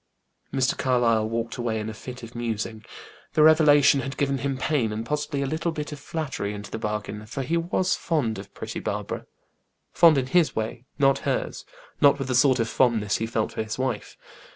Mr. Carlyle walked away in a fit of musing. The revelation had given him pain, and possibly a little bit of flattery into the bargain, for he was fond of pretty Barbara. Fond in his way not hers not with the sort of fondness he felt for his wife.